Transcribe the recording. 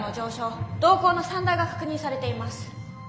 瞳孔の散大が確認されています。